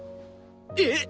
えっ！